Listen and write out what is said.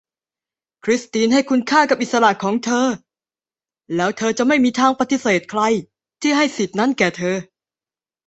คริสทีนให้คุณค่ากับอิสระของเธอ แล้วเธอจะไม่มีทางปฏิเสธใครที่ให้สิทธิ์นั้นแก่เธอ